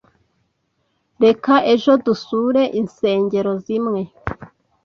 Reka ejo dusure insengero zimwe.